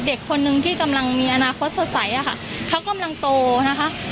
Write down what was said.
เด็กคนนึงที่กำลังมีอนาคตสดใสอะค่ะเขากำลังโตนะคะ